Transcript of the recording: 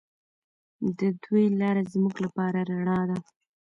د دوی لاره زموږ لپاره رڼا ده.